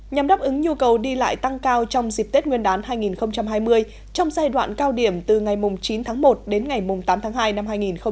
nhằm đáp ứng nhu cầu đi lại tăng cao trong dịp tết nguyên đán hai nghìn hai mươi trong giai đoạn cao điểm từ ngày chín tháng một đến ngày tám tháng hai năm hai nghìn hai mươi